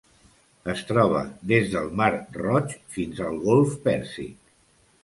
Es troba des del Mar Roig fins al Golf Pèrsic.